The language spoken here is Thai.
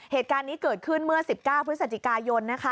เหตุการณ์นี้เกิดขึ้นเมื่อ๑๙พฤศจิกายน